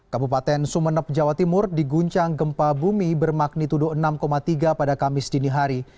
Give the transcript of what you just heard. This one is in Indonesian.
kabupaten sumeneb jawa timur diguncang gempa bumi bermakni tuduh enam tiga pada kamis dinihari